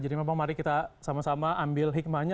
jadi mbak pang mari kita sama sama ambil hikmahnya